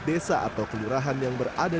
desa atau kelurahan yang berada